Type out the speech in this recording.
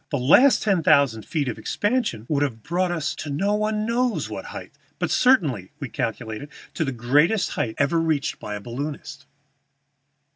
The last ten thousand feet of expansion would have brought us to no one knows what height, but certainly, we calculated, to the greatest height ever reached by a balloonist."